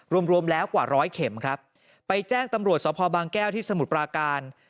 รวมรวมแล้วกว่าร้อยเข็มครับไปแจ้งตำรวจสภบางแก้วที่สมุทรปราการ